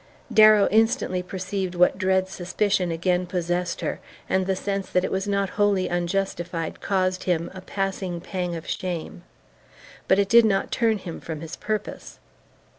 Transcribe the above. Darrow instantly perceived what dread suspicion again possessed her, and the sense that it was not wholly unjustified caused him a passing pang of shame. But it did not turn him from his purpose.